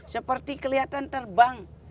seperti kelihatan terbang